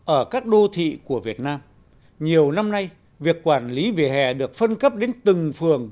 ở các đô thị của việt nam nhiều năm nay việc quản lý vỉa hè được phân cấp đến từng phường